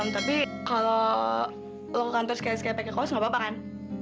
tapi kalau lo ke kantor sekali sekali pakai kos gak apa apa kan